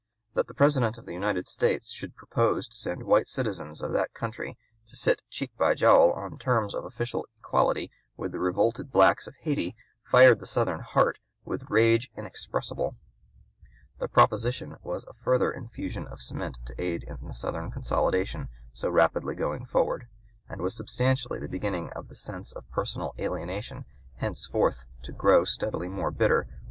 That the President of the United States should propose to send white citizens of that country to sit cheek by jowl on terms of official equality with the revolted blacks of Hayti fired the Southern heart with rage inexpressible. The proposition was a further infusion of cement to aid in the Southern consolidation so rapidly going forward, and was substantially the beginning of the sense of personal alienation henceforth to grow steadily more bitter on (p.